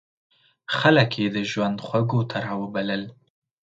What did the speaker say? خلک یې د ژوند خوږو ته را وبلل.